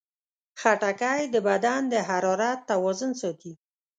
خټکی د بدن د حرارت توازن ساتي.